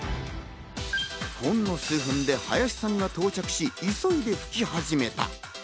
ほんの数分で林さんが到着し、急いで拭き始めた。